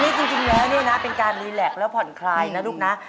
นี่จริงแล้วเนี่ยนะเป็นการรีแล็กแล้วผ่อนคลายนะลูกนะ